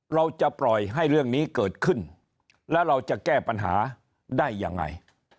เราจะปล่อยให้เรื่องนี้เกิดขึ้นแล้วเราจะแก้ปัญหาได้ยังไง